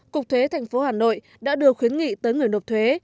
cục thuế thành phố hà nội đã đưa khuyến nghị tới người nộp thuế